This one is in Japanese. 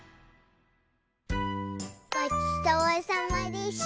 ごちそうさまでした！